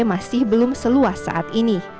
masih belum seluas saat ini